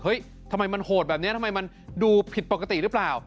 ทำไมมันโหดแบบนี้ทำไมมันดูผิดปกติหรือเปล่า